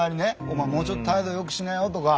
「お前もうちょっと態度良くしなよ」とか